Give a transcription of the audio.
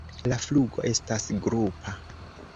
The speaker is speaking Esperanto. La flugo estas grupa.